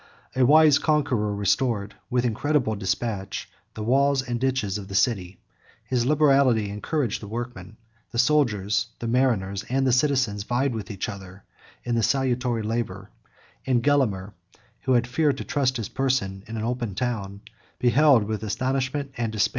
A wiser conqueror restored, with incredible despatch, the walls and ditches of the city. His liberality encouraged the workmen; the soldiers, the mariners, and the citizens, vied with each other in the salutary labor; and Gelimer, who had feared to trust his person in an open town, beheld with astonishment and despair, the rising strength of an impregnable fortress.